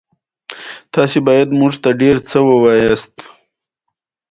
د هضم د ستونزې لپاره د معدې معاینه وکړئ